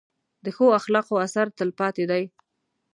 د ښو اخلاقو اثر تل پاتې دی.